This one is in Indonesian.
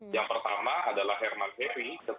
yang pertama adalah herman heri